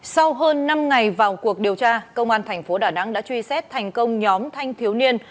sau hơn năm ngày vào cuộc điều tra công an thành phố đà nẵng đã truy xét thành công nhóm thanh thiếu niên